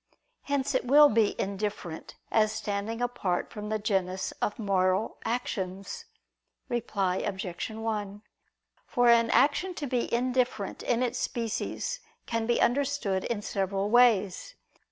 Hence it will be indifferent, as standing apart from the genus of moral actions. Reply Obj. 1: For an action to be indifferent in its species can be understood in several ways.